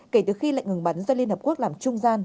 kể từ khi lệnh ngừng bắn do liên hợp quốc làm trung gian